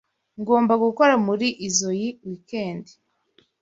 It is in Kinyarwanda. Ngomba gukora muri izoi weekend.